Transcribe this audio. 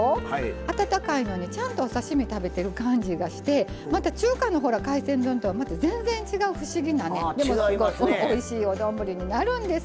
温かいのにちゃんとお刺身を食べてる感じがしてまた中華の海鮮丼とはまた全然、違う不思議なおいしいお丼になるんです。